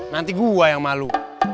nanti gua yang malu